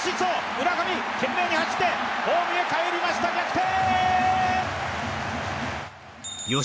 村上懸命に走ってホームへかえりました逆転